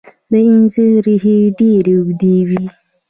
د انځر ریښې ډیرې اوږدې وي.